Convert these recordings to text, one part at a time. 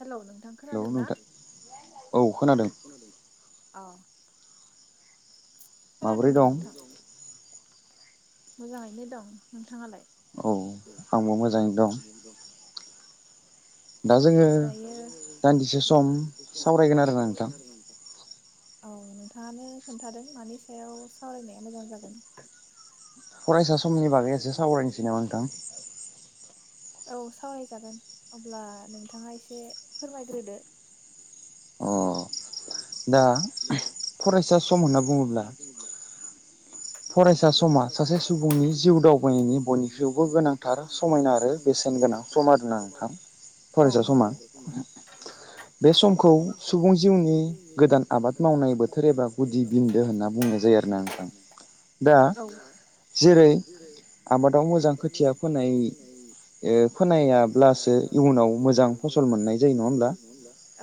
Hello नोंथां खोनादों ना? औ खोनादों औ। खोनादों दे नोंथां मोजाङैनो दं। नोंथाङालाय? औ आंबो मोजाङै दं। दा जोङो दान्दिसे सम सावरायगोन आरोना नोंथां। औ नोंथाङानो खोन्थादों मानि सायाव सावरायनाया मोजां जागोन? [unintelligible] फरायसा समनि बागै एसे सावरायनोसै नामा नोंथां? औ सावरायजागोन, अब्ला नोंथाङा एसे फोरमायग्रोदो। दा फरायसा सम होनना बुङोब्ला फरायसा समा सासे सुबुंनि जिउ दावबायनायनि बयनिख्रुइबो गोनांथार समायना आरो बेसेन गोनां सम आरोना नोंथां, फरायसा समा। बे समखौ सुबुं जिउनि औ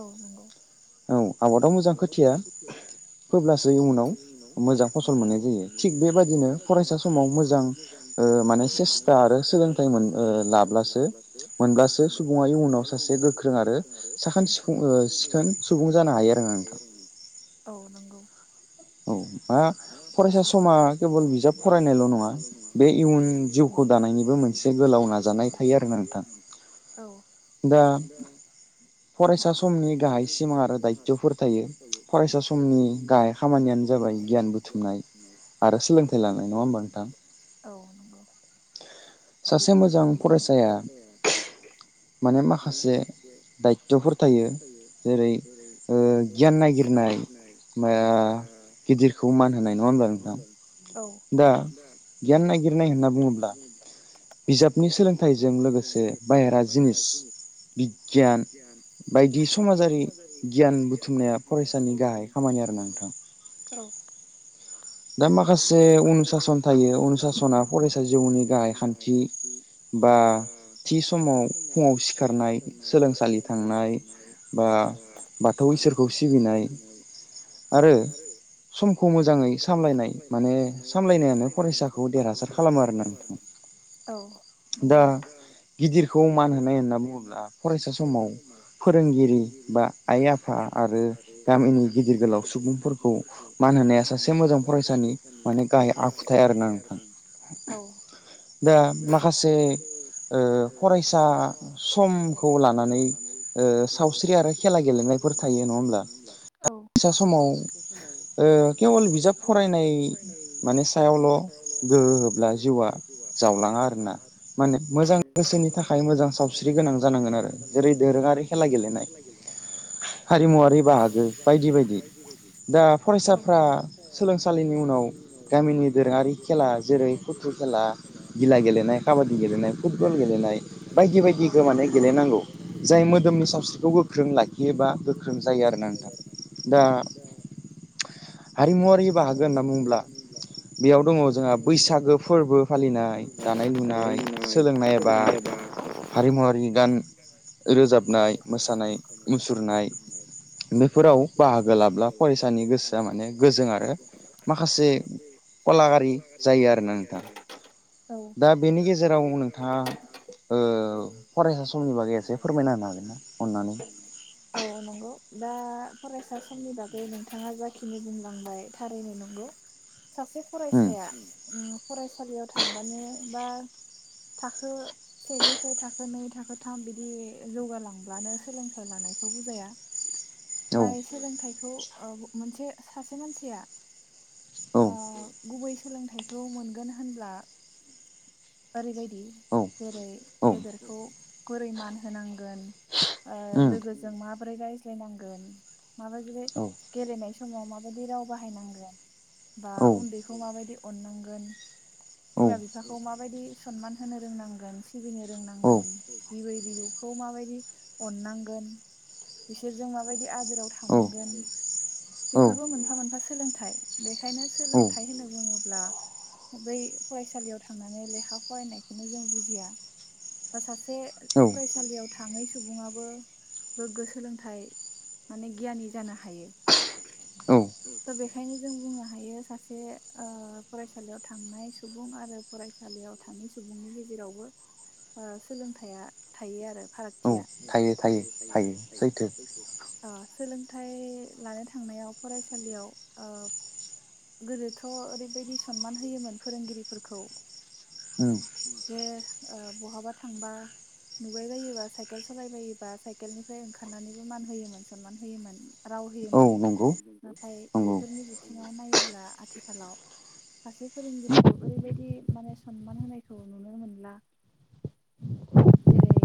औ नंगौ। आबादाव मोजां खोथिया फोब्लासो इयुनाव मोजां फसल मोननाय जायो, थिग बेबदिनो फरायसा समाव मोजां ओ माने सेस्था मोन आरो सोलोंथाइ ओ लाब्लासो मोनब्लासो सुबुङा इयुनाव सासे गोख्रों आरो साखोन सिख-सिखोन सुबुं जानो हायो ना नोंथां। औ नंगौ। औ हा फरायसा समा केबल बिजाब फरायनायल नङा बे इयुन जिउखौ दानायनिबो मोनसे गोलाव नाजानाय थायो आरो नोंथां। दा फरायसा समनि गाहाइ सिमां आरो दायथफोर थायो। फरायसा समनि गाहाइ खामानियानो जाबाय गियान बुथुमनाय आरो सोलोंथाइ लानाय नङा होमबा नोंथां? सासे मोजां फरायसाया माने माखासे दायथफोर थायो जेरै- ओ गियान नागिरनाय ओमफ्राय ओ गिदिरखौ मान होनाय नङा होमब्ला नोंथां? दा गियान नागिरनाय होनना बुङोब्ला बिजाबनि सोलोंथाइजों लोगोसे बायहेरा जिनिस, बिगियान, बायदि समाजारि गियान बुथुमनाया फरायसानि गाहाय खामानि आरो ना नोंथां। दा माखासे अनुसासन थायो अनुसाना फरायसा जिउनि गाहाइ खान्थि बा थि समाव फुङाव सिखारनाय, सोलोंसालि थांनाय बा बाथौ इसोरखौ सिबिनाय आरो समखौ मोजाङै सामलायनाय माने सामलायनायानो फरायसाखौ देरहासार खालामो आरोना नोंथां। दा गिदिरखौ मान होनाय होनना बुङोब्ला फरायसा समाव फोरोंगिरि बा आइ आफा आरो गामिनि गिदिर गोलाव सुबुंफोरखौ मान होनाया सासे मोजां फरायसानि माने गाहाय आखुथाय आरोना। दा माखासे ओ फरायसा समखौ लानानै ओ सावस्रि आरो खेला गेलेनायफोर थायो नङा होनब्ला। खायसे समाव ओ फरायनाय फरायनाय माने सायावल बोब्ला जिउआ जावलाङा आरो मानो मोजां बोसोनि थाखाय मोजां सावस्रि गोनां जानांगोन आरो जेरै दोरोङारि खेला गेलेनाय हारिमुवारि बाहागो बायदि बायदि। दा फरायसाफ्रा नि उनाव गामिनि दोरोङारि खेला जेरै कथ्रु खेला गिला गेलेनाय खाबादि गेलेनाय फुटबल गेलेनाय बायदि बायदि गोमानो गेलेनांगौ जाय मोदोमनि सावस्रिखौ गोख्रों लाखियोबा गोख्रों जायो आरोना नोंथां। दा हारिमुवारि बाहागो बुंब्ला बेयाव दङ जोंहा बैसागो फोरबो फालिनाय दानाय लुनाय सोलोंनाय एबा हारिमुवारि गान रोजाबनाय मोसानाय मुसुरनाय बेफोराव बाहागो लाब्ला फरायसानि गोसोआ माने आरो माखासे कलागारि जायो आरोना नोंथां। दा बेनि गेजेराव नोंथाङा ओ फरायसा समनि बागै एसे फोरमायना होनो हागोन ना अन्नानै? फरायसा समनि बागै नोंथाङा जाखिनि बुंलांबाय थारैनो नंगौ। सासे फरायसाया ओम फरा यसालियाव थांबानो बा थाखो सेनिफ्राय थाखो नै थाखो थाम बिदि जौगालांब्लानो सोलोंथाइ लानायखौ बुजाया। जाय सोलोंथाइ खौ औ मोनसे सासे मानसिया ओ गुबै सोलोंथाइखौ मोनगोन होनब्ला ओरैबायदि जेरै गेदेरखौ बोरै मान होनांगोन ओ लोगोजों माबोरै रायज्लायनांगोन माबायदि गेलेनाय समाव माबायदि राव बाहायनांगोन। बा उन्दैखौ माबायदि अननांगोन बिमा बिफाखौ माबायदि सनमान होनो रोंनांगोन सिबिनो रोंनांगोन बिबै बिबौखौ माबायदि अननांगोन बिसोरजों माबायदि आदोराव थानांगोन बिफोरबो मोनफा मोनफा सोलोंथाइ। बेखायनो सोलोंथाइ होनना बुङोब्ला बै फरायसालियाव थांनानै लेखा फरायनायखौनो जों बुजिया बा सासे फरायसालियाव थाङै सुबुङाबो गोग्गो सोलोंथाइ माने गियानि जानो हायो त बेखायनो जों बुंनो हायो सासे ओ फरायसालियाव थांनाय सुबुं आरो फरायसालियाव थाङि सुबुंनि गेजेरावबो ओ सोलोंथाइया थायो आरो फारागथिया। थायो थायो थायो सैथो। थाय लानो थांनायाव फरायसालियाव ओब गोदोथ ओरैबायदि सनमान होयोमोन फोरोंगिरिफोरखौ जे ओ बहाबा थांबा नुबायबायोबा साइकेल सालायबायोबा साइकेलनिफ्राय ओंखारनानैबो मान होयोमोन सनमान होयोमोन राव होयोमोन नाथाय बेफोरनि बि थिङाव नायोब्ला आथिखालाव सासे फोरोंगिरिखौ ओरैबायदि माने सनमान होनायखौ नुनो मोनला जेरै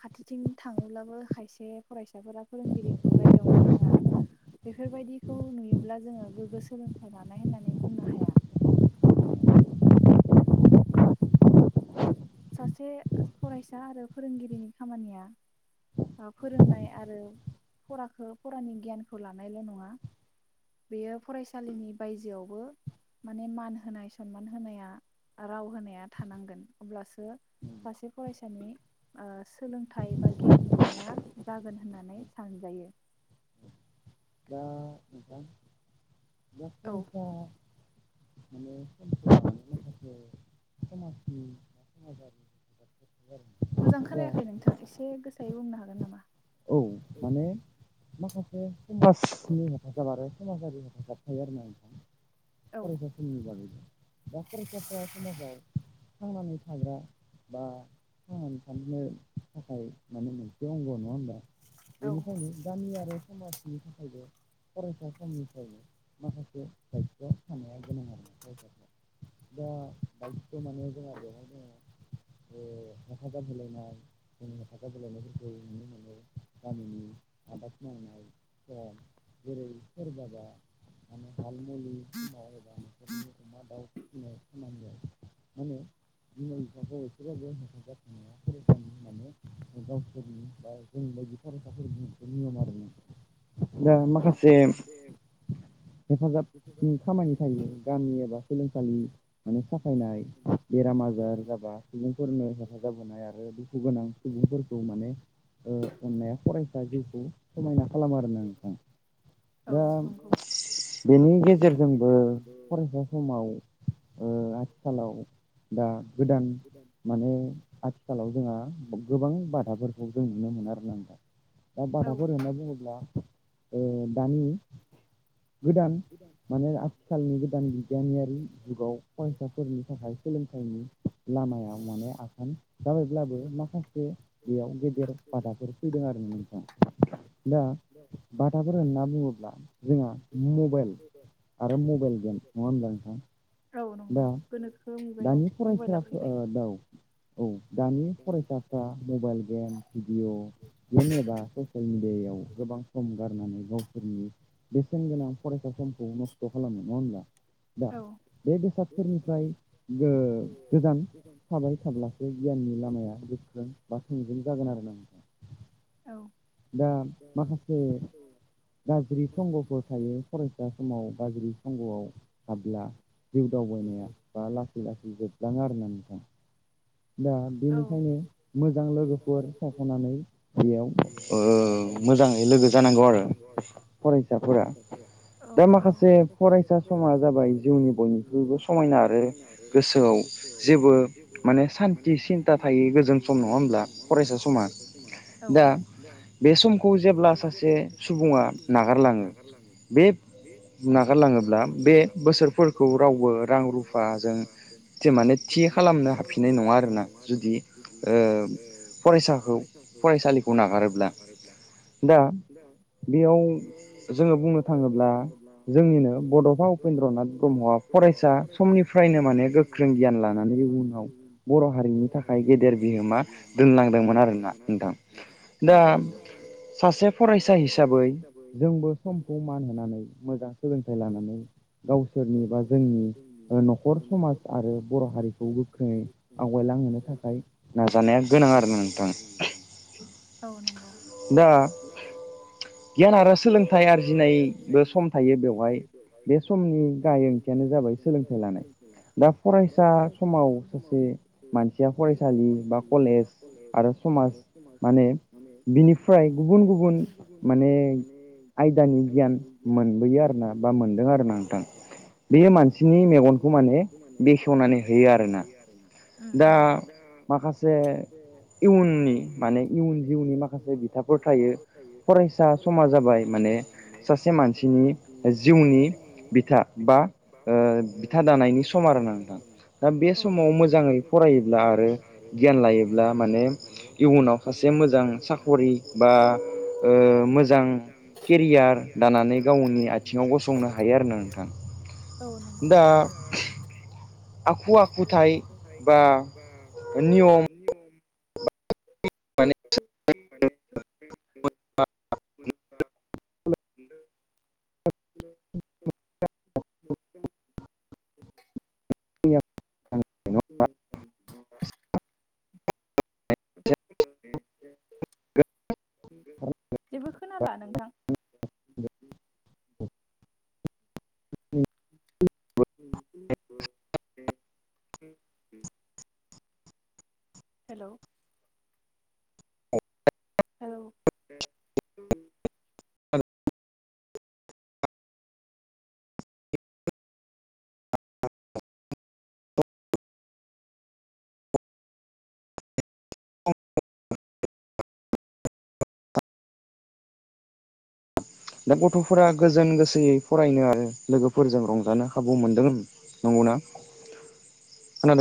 खाथिथिं थाङोब्लाबो खायसे फरायसाफोरा फोरोंगिरिखौ रायदावनो रोङा बेफोरबायदि खौ नुयोब्ला जोङो गोग्गो सोलोंथाइ लानाय होननानै बुंनो हाया। सासे फरायसा आरो फोरोंगिरिनि खामानिया बा फोरोंनाय आरो फराखौ फरानि गियानखौ लानायल नङा बेयो फरायसालिनि बायजोआवबो माने मान होनाय सनमान होनाया राव होनाया थानांगोन। अब्लासो सासे फरायसानि ओ सोलोंथाइ बा गियान मोननाया जागोन होननानै सानजायो। औ [inaudible] मोजां खोनायाखै नोंथां इसे गोसायै बुंनो हागोन नामा? [unintelligible] [unintelligible] फरायसाफोरनि बागै। दा फरायसाफ्रा समाजाव थांनानै थाग्रा बा थांनानै थानो थाखाय माने मोनसे अंग नङा ओमबा? बेनिखायनो गामि आरो [unintelligible] बिनि थाखायबो फरायसा समनिफ्रायनो माखासे दायतथ थानाया गोनां आरो फरायसाफ्रा दा दायतथ माने जोंहा बेवहाय जोङो ओ हेफाजाब होलायनाय जोंनि हेफाजाब होलायनायफोरखौ नुनो मोनो गामिनि आबाद मावनाय जेरै सोरबाबा माने हाल मुलि समाव एबा नखरनि अमा दाउ फिसिनाय खामानियाव माने बिमा बिफाखौ एसेबाबो हेफाजाजाथनाया फरायानि माने गावसोरनि बा जोंनिबायायदि फरायसाफोर नियम आरोना। दा माखासे हेफाजाबनि खामानि थायो गामि एबा सोलोंसालि माने साफायनाय बेराम आजार जाबा सुबुंफोरनो हेफाजाब होनाय आरो दुखु गोनां सुबुंफोरखौ माने ओ अननाया फरायसा जिउखौ समायना खालामो आरोना नोंथां दा बेनि गेजेरजोंबो फरायसा समाव ओ आथिखालाव दा गोदान माने आथिखालाव जोंहा गोबां बाथाफोरखौ जों नुनो मोनो आरोना नोंथां दा बाथाफोर होनना बुङोब्ला [unintelligible] ए दानि गोदान माने आथिखालनि गोदान बिगियाननियारि जुगाव फरायसाफोरनि थाखाय सोलोंथाइनि लामायाव माने आगान जायोब्लाबो माखासे बेयाव गेदेर बादाफोर फैदों आरो नो नोंथाङा दा बाथाफोर होनना बुङोब्ला जोंहा मबेल आरो मबेल गेम नङा होनब्ला नोंथां। दा दानि फरायसाफोर ओ दाव औ दानि फरायसाफ्रा मबाइल गेम भिडिअ गेम एबा ससियेल मिडियायाव गोबां सम गारनानै गावसोरनि बेसेनगोनां फरायसा समखौ सम थ' खालामनो नङा होमब्ला? दा बेसादफोरनिफ्राय गो-गोजान थाबाय थाब्लासो गियाननि लामाया गोख्र [unintelligible] बा थोंजों जागोन आरो ना? दा माखासे गाज्रि संगफोर थायो फरायसा समाव गाज्रि संगआव थाब्ला जिउ दावबायनाया बा लासै लासै जोबलाङो आरो ना नोंथां। दा बेनिखायनो मोजां लोगोफोर सायखनानै बेयाव ओ बे सानतिस्त नाथाय गोजोन सम नङा होमब्ला फरायसा समा? दा बे समखौ जेब्ला सासे सुबुङा नागारलाङो बे नागारलाङोब्ला बे बोसोरफोरखौ रावबो रां रुफाजों थे माने थि खालामनो हा जुदि ओ फरायसाखौ फरायसालिखौ नागारोब्ला दा बेयाव जोङो बुंनो थाङोब्ला जोंनिनो बडफा उपेन्द्र नाथ ब्रह्मआ फरायसा समनिफ्रायनो माने गोख्रों गियान लानानै उनाव हारिनि थाखाय गेदेर बिहोमा दोनलांदोंमोन आरोना नोंथां दा सासे फरायसा हिसाबै जोंबो समखौ मान होनानै मोजां सोलोंथाइ लानानै गावसोरनि बा जोंनि ओ नखर समाज आरो बर हारिखौ गोख्रोङै आवगायनाय। थाखाय नाजानाया गोनां आरो नोंथां दा गियान आरो सोलोंथाइ आरजिनायबो सम थायो बेवहाय बे समनि गाहाय ओंथियानो जाबाय सोलोंथाइ लानाय दा फरायसा समाव सासे मानसिया फरायसालि बा कलेज आरो समाज माने बिनिफ्राय गुबुन गुबुन माने आयदानि गियान मोनबोयो आरोना बा मोनदों आरो ना नोंथां। बेयो मानसिनि मेगनखौ माने बेसेवनानै होयो आरोना दा माखासे इयुननि माने इयुन जिउनि माखासे बिथाफोर थायो फरायसा समा जाबाय माने सासे मानसिनि जिउनि बिथा बा ओ बिथा दानायनि सम आरो ना नोंथां दा बे समाव मोजां जा [unintelligible] फरायोब्ला आरो गियान लायोब्ला माने इयुनाव खासे मोजां साखरि बा ओ मोजां केरियार दानानै गावनि आथिङाव गसंनो हायो आरो ना नोंथां। दा आखु आखुथाय थाइ बा नियम [unintelligible] [unintelligible] जेबो खोनाला नोंथां। [unintelligible] [inaudible] हेलौ हेलौ दा गथफोरा गोजोन गोसोयै फरायनो आरो लोगोफोरजों रंजानो खाबु मोनदों नंगौना?